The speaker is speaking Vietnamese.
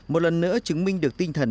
một lần nữa chứng minh được tinh thần